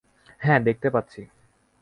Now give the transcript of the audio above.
হ্যাঁ, দেখতে পাচ্ছি।